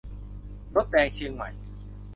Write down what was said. รถแดงเชียงใหม่